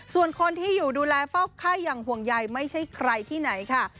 ส่วนคนที่อยู่ดูแลเฝ้าไข้อย่างห่วงใยไม่ใช่ใครที่ไหนค่ะ